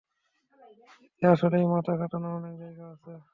এতে আসলেই মাথা খাটানোর অনেক জায়গা আছে।